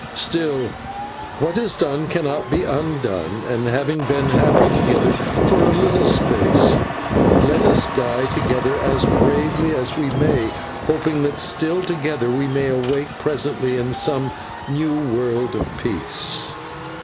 Still, what is done cannot be undone, and, having been happy together for a little space, let us die together as bravely as we may, hoping that still together we may awake presently in some new world of peace."